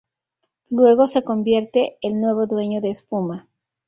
Luego se convierte el nuevo dueño de Espuma.